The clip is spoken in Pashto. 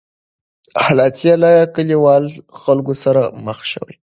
هلته یې له کلیوالو خلکو سره مخ شو.